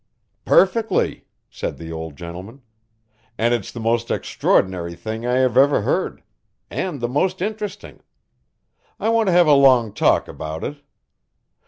"Perfectly," said the old gentleman, "and it's the most extraordinary thing I have ever heard and the most interesting I want to have a long talk about it.